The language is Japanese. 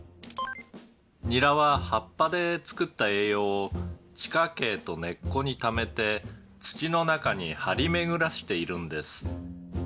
「ニラは葉っぱで作った栄養を地下茎と根っこにためて土の中に張り巡らしているんです」